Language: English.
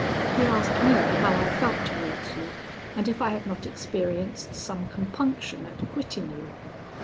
He asked me how I felt towards you, and if I had not experienced some compunction at quitting you.